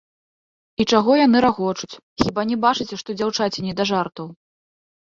І чаго яны рагочуць, хіба не бачыце, што дзяўчаці не да жартаў.